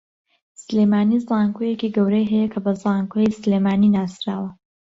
سلێمانی زانکۆیەکی گەورەی ھەیە کە بە زانکۆی سلێمانی ناسراوە